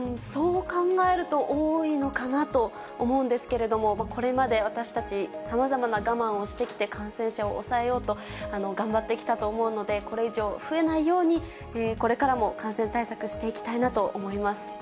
そう考えると、多いのかなと思うんですけれども、これまで私たち、さまざまな我慢をしてきて、感染者を抑えようと頑張ってきたと思うので、これ以上増えないように、これからも感染対策していきたいなと思います。